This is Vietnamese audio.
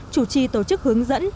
chủ trì tổ chức hướng dẫn